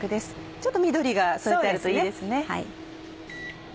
ちょっと緑が添えてあるといいですね。